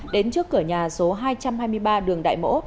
đến trước cửa nhà số hai trăm hai mươi ba đường đại mỗ